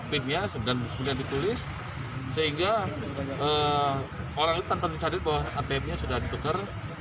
pin nya sedang ditulis sehingga orang orang tanpa disadari bahwa atm nya sudah dipeker